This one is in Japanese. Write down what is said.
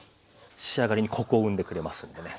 仕上がりにコクを生んでくれますんでね。